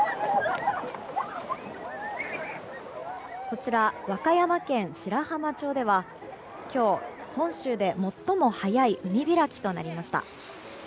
こちら、和歌山県白浜町では今日、本州で最も早い海開きとなりました。